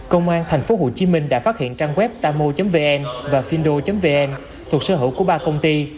công an tp hcm đã phát hiện trang web tamo vn và findo vn thuộc sở hữu của ba công ty